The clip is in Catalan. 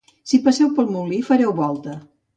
Si passeu pel molí fareu volta.